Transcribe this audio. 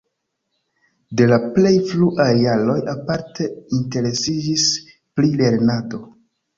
De la plej fruaj jaroj aparte interesiĝis pri lernado.